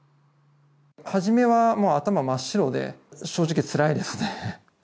初めは頭真っ白で、正直つらいですね。